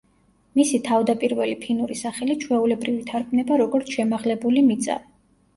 მისი თავდაპირველი ფინური სახელი ჩვეულებრივ ითარგმნება როგორც „შემაღლებული მიწა“.